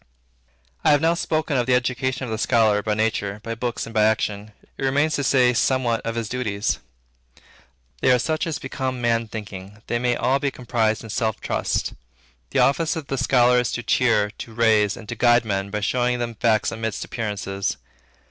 I have now spoken of the education of the scholar by nature, by books, and by action. It remains to say somewhat of his duties. They are such as become Man Thinking. They may all be comprised in self trust. The office of the scholar is to cheer, to raise, and to guide men by showing them facts amidst appearances.